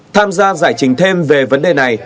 tham gia giải trình thêm về vấn đề này